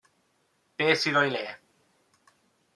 Be sydd o'i le?